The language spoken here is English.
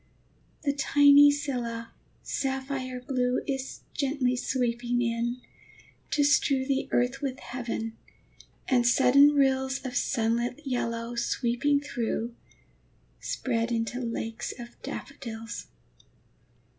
The tiny scilla, sapphire blue, Is gently sweeping in, to strew The earth with heaven; and sudden rills Of sunlit yellow, sweeping through, Spread into lakes of daffodils.